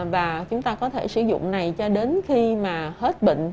và chúng ta có thể sử dụng này cho đến khi mà hết bệnh